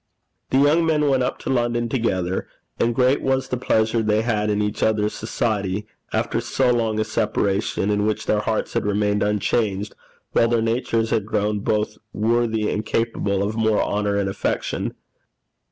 The young men went up to London together, and great was the pleasure they had in each other's society, after so long a separation in which their hearts had remained unchanged while their natures had grown both worthy and capable of more honour and affection.